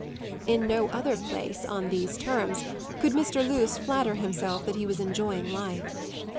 In no other place, on these terms, could Mr. Luce flatter himself that he was enjoying life.